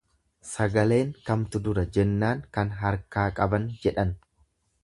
"""Sagaleen kamtu dura"" jennaan ""kan harkaa qaban"" jedhan."